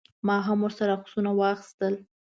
ما هم ورسره عکسونه واخیستل.